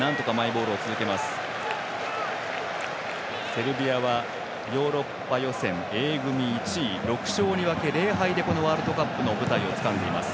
セルビアはヨーロッパ予選、Ａ組、１位６勝２分け０敗でワールドカップの舞台をつかんでいます。